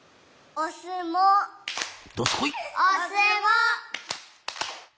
「おすもう」。